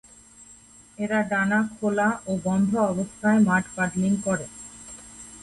এরা ডানা খোলা ও বন্ধ অবস্থায় মাড-পাডলিং করে।